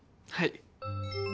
はい。